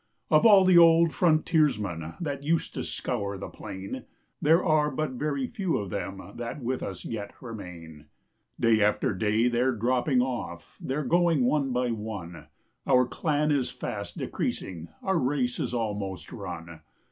Of all the old frontiersmen That used to scour the plain There are but very few of them That with us yet remain. Day after day they're dropping off, They're going one by one; Our clan is fast decreasing, Our race is almost run.